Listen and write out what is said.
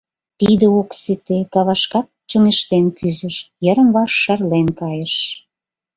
Тиде ок сите — кавашкак чоҥештен кӱзыш, йырым-ваш шарлен кайыш.